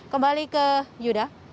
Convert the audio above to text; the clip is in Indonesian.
kembali ke yuda